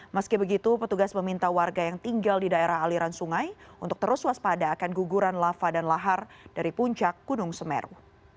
meski begitu petugas meminta warga yang tinggal di daerah aliran sungai untuk terus waspada akan guguran lava dan lahar dari puncak gunung semeru